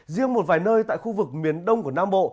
riêng một vài nơi tại khu vực miền đông của nam bộ